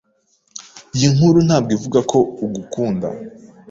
Iyi nkuru ntabwo ivuga ko ugukunda